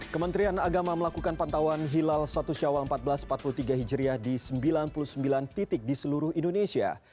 kementerian agama melakukan pantauan hilal satu syawal seribu empat ratus empat puluh tiga hijriah di sembilan puluh sembilan titik di seluruh indonesia